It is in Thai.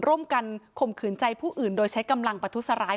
ร่วมกันข่มขืนใจผู้อื่นโดยใช้กำลังประทุษร้าย